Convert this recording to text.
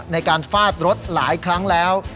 ในการฟาดรถหลายครั้งแล้ว